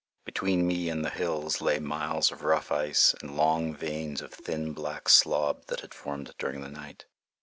Between me and the hills lay miles of rough ice and long veins of thin black slob that had formed during the night.